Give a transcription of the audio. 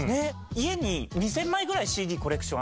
家に２０００枚ぐらいＣＤコレクションあるんですけども。